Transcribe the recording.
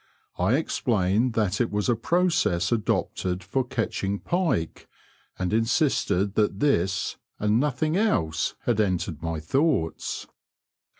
I explained that it was a process adopted for catching pike, and insisted that this and nothing else had entered my thoughts.